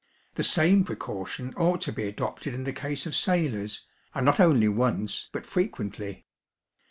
The same precaution ought to be adopted in the case of sailors, and not only once, but frequently.